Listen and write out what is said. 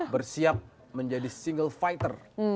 bersiap menjadi single fighter